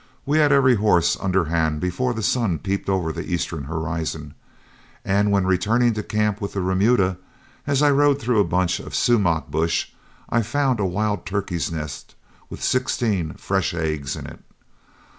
We had every horse under hand before the sun peeped over the eastern horizon, and when returning to camp with the remuda, as I rode through a bunch of sumach bush, I found a wild turkey's nest with sixteen fresh eggs in it.